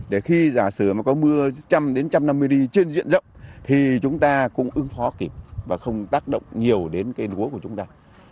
để khi giả sử mà có mưa trăm đến trăm năm mươi đi trên diện rộng thì chúng ta cũng ứng phó kịp và không tác động nhiều đến cái lúa của chúng ta